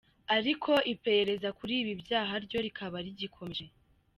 Ariko iperereza kuri ibi byaha ryo rikaba rigikomeje.